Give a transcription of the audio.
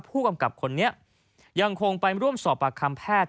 ผู้กำกับคนนี้ยังคงไปร่วมสอบปากคำแพทย์